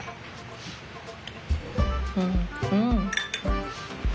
うんうん！